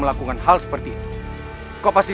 aku sudah berapa hari